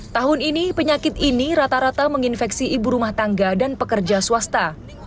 tahun ini penyakit ini rata rata menginfeksi ibu rumah tangga dan pekerja swasta